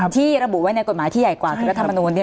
ที่ระบุไว้ในกฎหมายที่ใหญ่กว่าคือรัฐมนูล